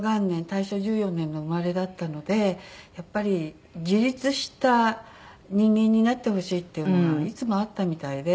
大正１４年の生まれだったのでやっぱり自立した人間になってほしいっていうのがいつもあったみたいで。